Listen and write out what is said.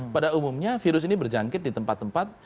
pada umumnya virus ini berjangkit di tempat tempat